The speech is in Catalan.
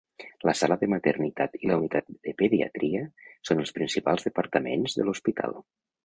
La sala de maternitat i la unitat de pediatria són els principals departaments de l'hospital.